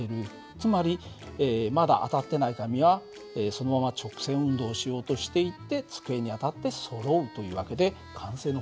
つまりまだ当たってない紙はそのまま直線運動をしようとしていて机に当たってそろうという訳で慣性の法則を使ってるんだ。